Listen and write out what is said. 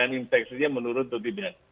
apakah kejadian infeksinya menurut topiknya